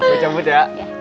gue cabut ya